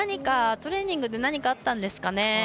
トレーニングで何かあったんですかね。